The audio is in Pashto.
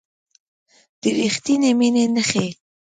د ریښتینې مینې نښې